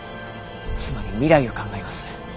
つまり未来を考えます。